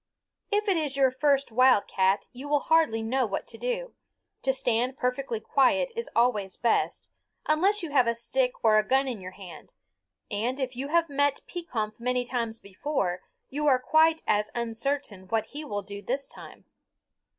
If it is your first wildcat, you will hardly know what to do, to stand perfectly quiet is always best, unless you have a stick or gun in your hand, and if you have met Pekompf many times before, you are quite as uncertain what he will do this time.